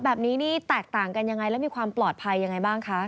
แบบนี้นี่แตกต่างกันยังไงแล้วมีความปลอดภัยยังไงบ้างคะ